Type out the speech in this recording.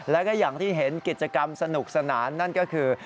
แล้วก็อย่างที่เห็นกิจกรรมสนุกสนานนั่นก็คือ